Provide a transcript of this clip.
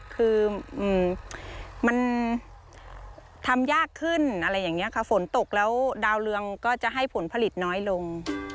คือมันทำยากขึ้นอะไรอย่างนี้ค่ะฝนตกแล้วดาวเรืองก็จะให้ผลผลิตน้อยลง